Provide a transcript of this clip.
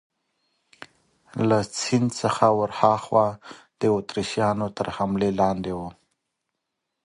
له سیند څخه ورهاخوا د اتریشیانو تر حملې لاندې وو.